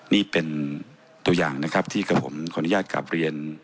นี่เป็นตัวอย่างนะครับที่กับผมขออนุญาตกลับเรียน